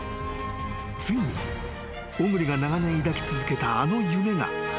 ［ついに小栗が長年抱き続けたあの夢が現実となる］